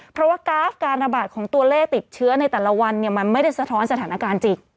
เพราะว่ากราฟการระบาดของตัวเลขติดเชื้อในแต่ละวันเนี่ยมันไม่ได้สะท้อนสถานการณ์จิก